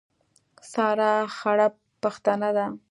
سارا خړه پښتنه ده.